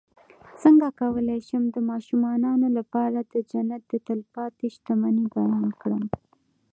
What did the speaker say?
څنګه کولی شم د ماشومانو لپاره د جنت د تل پاتې شتمنۍ بیان کړم